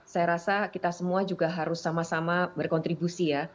saya rasa kita semua juga harus sama sama berkontribusi ya